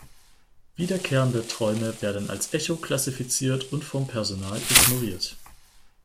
Wiederkehrende Träume werden als Echo klassifiziert und vom Personal ignoriert.